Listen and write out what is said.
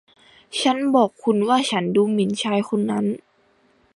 ฉันบอกคุณว่าฉันดูหมิ่นชายคนนั้น